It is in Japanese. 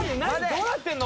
どうなってるの？